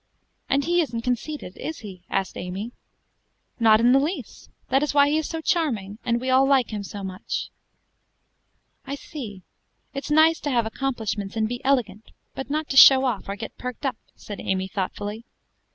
"And he isn't conceited, is he?" asked Amy. "Not in the least; that is why he is so charming, and we all like him so much." "I see: it's nice to have accomplishments, and be elegant, but not to show off, or get perked up," said Amy thoughtfully.